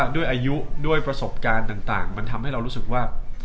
ด้วยอายุด้วยประสบการณ์ต่างมันทำให้เรารู้สึกว่า